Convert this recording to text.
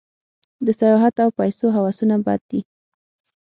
د سیاحت او پیسو هوسونه بد دي.